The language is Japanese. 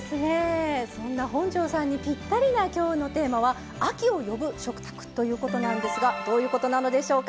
そんな本上さんにぴったりな今日のテーマは「『秋を呼ぶ』食卓」ということなんですがどういうことなのでしょうか。